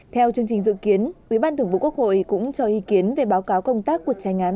theo chương trình dự kiến ủy ban thường vụ quốc hội cũng cho ý kiến về báo cáo công tác cuộc trái ngán